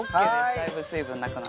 だいぶ水分なくなって。